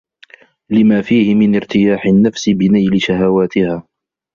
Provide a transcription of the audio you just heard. لِمَا فِيهِ مِنْ ارْتِيَاحِ النَّفْسِ بِنَيْلِ شَهَوَاتِهَا